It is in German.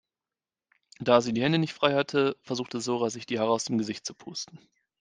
Da sie die Hände nicht frei hatte, versuchte Zora sich die Haare aus dem Gesicht zu pusten.